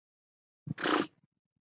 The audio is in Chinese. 该商场由杨忠礼集团共构。